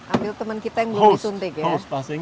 ambil teman kita yang belum disuntik ya